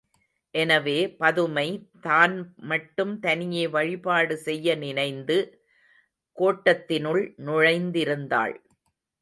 எனவே, பதுமை தான் மட்டும் தனியே வழிபாடு செய்ய நினைந்து கோட்டத்தினுள் நுழைந்திருந்தாள்.